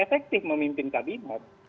itu efektif memimpin kabinet